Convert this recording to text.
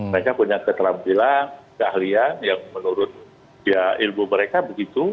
mereka punya keterampilan keahlian yang menurut ilmu mereka begitu